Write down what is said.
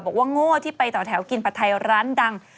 โง่ที่ไปต่อแถวกินผัดไทยร้านดัง